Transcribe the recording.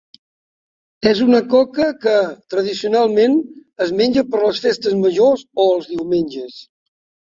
És una coca que, tradicionalment, es menja per les festes majors o els diumenges.